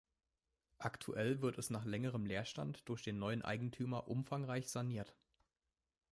Aktuell wird es nach längerem Leerstand durch den neuen Eigentümer umfangreich saniert.